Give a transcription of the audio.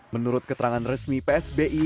menurut keterangan resmi psbi